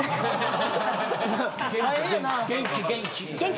元気元気。